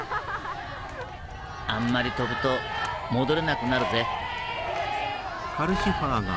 あんまり飛ぶと戻れなくなるぜ。